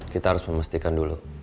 kita harus memastikan dulu